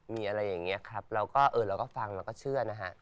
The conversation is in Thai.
มีอะไรอย่างนี้ครับเราก็เออเราก็ฟังเราก็เชื่อนะฮะ